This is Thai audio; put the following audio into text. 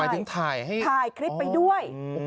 ไปถึงถ่ายให้อ๋อโอ้โหถ่ายคลิปไปด้วย